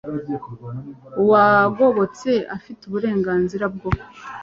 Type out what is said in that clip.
Uwagobotse afite uburenganzira bwo